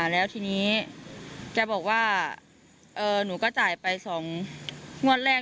แล้วทีนี้แกบอกว่าหนูก็จ่ายไป๒งวดแรก